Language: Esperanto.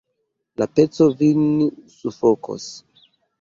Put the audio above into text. La peco vin sufokos!